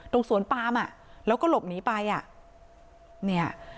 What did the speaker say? สวนปามอ่ะแล้วก็หลบหนีไปอ่ะเนี่ย